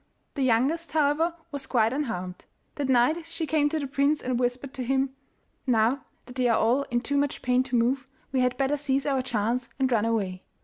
The youngest, however, was quite unharmed. That night she came to the prince and whispered to him: 'Now that they are all in too much pain to move, we had better seize our chance and run away.